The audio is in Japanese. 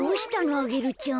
アゲルちゃん。